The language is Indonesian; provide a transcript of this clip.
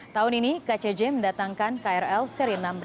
tahun ini kcj mendatangkan krl seri enam belas